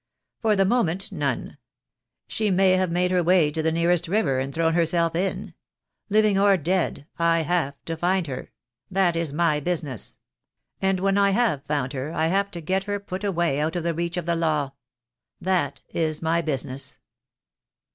"For the moment, none. She may have made her way to the nearest river and thrown herself in. Living or dead, I have to find her. That i$ my business. And when I have found her I have to geVher put away out of the reach of the law. Tliat is my business."